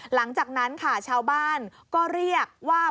หลังจากนั้นค่ะชาวบ้านก็เรียกว่า